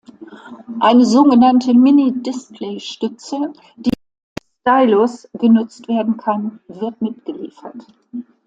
Eine sogenannte Mini-Display-Stütze, die auch als Stylus genutzt werden kann, wird mitgeliefert.